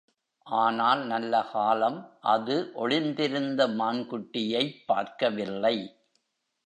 ஆனால், நல்லகாலம் அது ஒளிந் திருந்த மான்குட்டியைப் பார்க்கவில்லை!